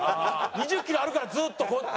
２０キロあるからずっとこうずっと。